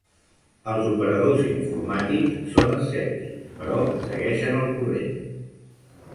Els operadors informàtics són escèptics però segueixen el corrent.